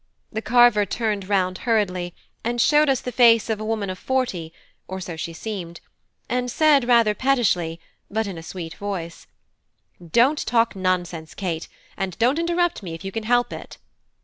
The carver turned round hurriedly and showed us the face of a woman of forty (or so she seemed), and said rather pettishly, but in a sweet voice: "Don't talk nonsense, Kate, and don't interrupt me if you can help it."